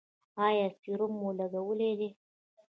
ایا سیروم مو لګولی دی؟